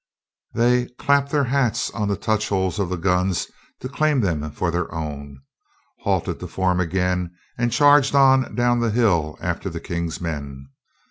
They "clapped their hats on the touch holes of the guns to claim them for their own," halted to form again, and charged on down the hill after the King's men.